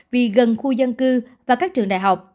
vì gần khu dân cư và các trường đại học